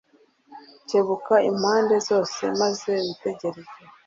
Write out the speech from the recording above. kebuka impande zose, maze witegereze: